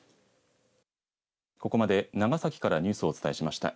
ここまで長崎からニュースをお伝えしました。